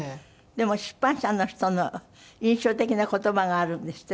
でも出版社の人の印象的な言葉があるんですって？